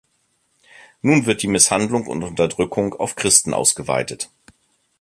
Nun wird die Misshandlung und Unterdrückung auf Christen ausgeweitet.